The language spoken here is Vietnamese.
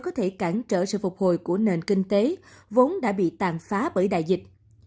có thể cản trở sự phục hồi của nền kinh tế vốn đã bị tàn phá bởi đại dịch